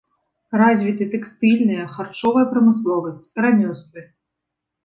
Развіты тэкстыльная, харчовая прамысловасць, рамёствы.